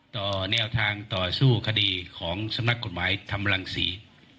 ต่อแนวทางต่อสู้คดีของสำนักกฎหมายทำรังศรี